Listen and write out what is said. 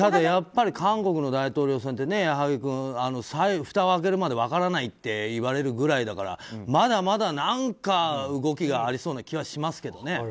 やっぱり韓国の大統領選ってふたを開けるまで分からないって言われるぐらいだからまだまだ何か動きがありそうな気はしますけどね。